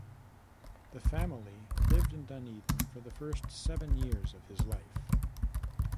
The family lived in Dunedin for the first seven years of his life.